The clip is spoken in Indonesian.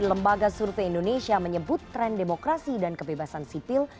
lembaga survei indonesia menyebut tren demokrasi dan kebebasan sipil